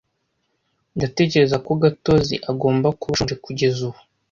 Ndatekereza ko Gatozi agomba kuba ashonje kugeza ubu.